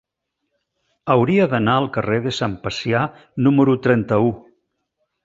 Hauria d'anar al carrer de Sant Pacià número trenta-u.